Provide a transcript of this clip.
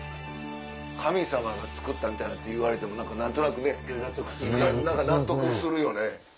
「神様がつくった」なんて言われても何となく納得するよね。